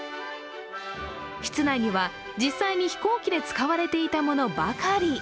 室内には実際に飛行機で使われていたものばかり。